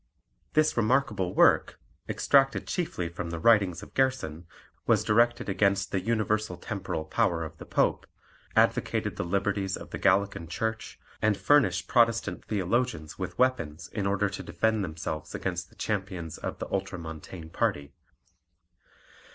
This remarkable work, extracted chiefly from the writings of Gerson, was directed against the universal temporal power of the Pope, advocated the liberties of the Gallican Church, and furnished Protestant theologians with weapons in order to defend themselves against the champions of the Ultramontane party.